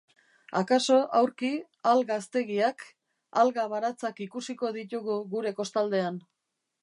Akaso aurki, alga haztegiak, alga baratzak ikusiko ditugu gure kostaldean.